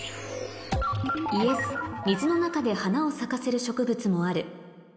「Ｙｅｓ水の中で花を咲かせる植物もある」